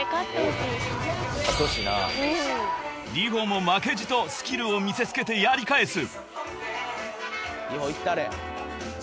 ［Ｒｉｈｏも負けじとスキルを見せつけてやり返す］